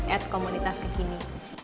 at komunitas kekini